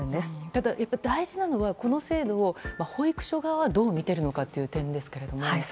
ただ、大事なのはこの制度を保育所側はどうみているのかという点ですけど。